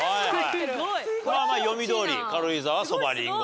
まあまあ読みどおり軽井沢そばリンゴ